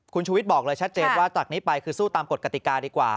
คุณชูวิทย์บอกเลยชัดเจนว่าจากนี้ไปคือสู้ตามกฎกติกาดีกว่า